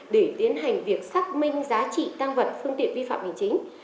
để tiến hành việc xác minh giá trị tăng vật phương tiện vi phạm hành chính